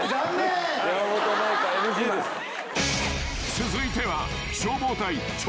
［続いては］